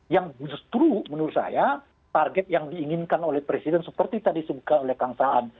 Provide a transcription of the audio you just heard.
yang justru menurut saya target yang diinginkan oleh presiden seperti tadi sebutkan oleh kang saan